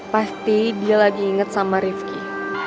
pasti dia lagi inget sama rifki